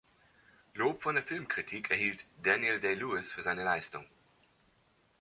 Lob von der Filmkritik erhielt Daniel Day-Lewis für seine Leistung.